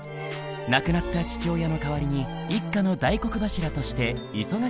亡くなった父親の代わりに一家の大黒柱として忙しい日々を送っていた。